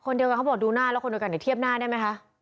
เดียวกันเขาบอกดูหน้าแล้วคนเดียวกันเดี๋ยวเทียบหน้าได้ไหมคะ